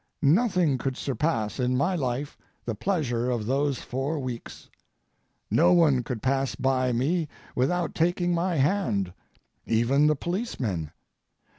Nothing could surpass in my life the pleasure of those four weeks. No one could pass by me without taking my hand, even the policemen.